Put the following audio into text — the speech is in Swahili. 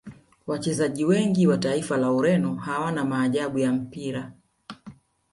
wachezaji wengi wa taifa la Ureno hawana maajabu ya mpira